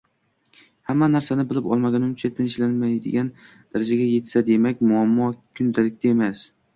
hamma narsani bilib olmagunicha tinchlanmaydigan darajaga yetsa, demak, muammo kundalikda emas.